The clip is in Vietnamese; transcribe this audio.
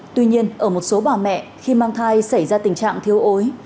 tuy nhiên ở một số bà mẹ khi mang thai xảy ra tình trạng thiếu ối